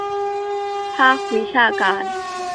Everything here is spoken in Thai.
ภาควิชาการ